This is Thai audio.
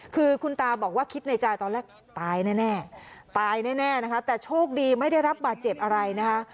คือคุณตาบอกว่าคิดในใจตอนแรกตายแน่ตายแน่นะคะแต่โชคดีไม่ได้รับบาดเจ็บอะไรนะคะ